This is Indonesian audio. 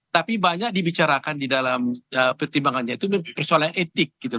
tapi banyak dibicarakan di dalam pertimbangannya itu persoalan etik gitu